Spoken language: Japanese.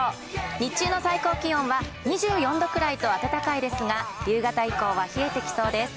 日中の最高気温は２４度くらいと暖かいですが、夕方以降は冷えてきそうです。